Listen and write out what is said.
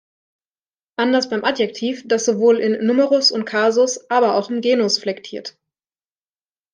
Anders beim Adjektiv, das sowohl in "Numerus" und "Kasus", aber auch im "Genus" flektiert.